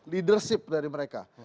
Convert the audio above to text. leadership dari mereka